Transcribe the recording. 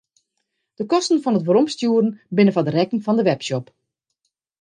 De kosten fan it weromstjoeren binne foar rekken fan de webshop.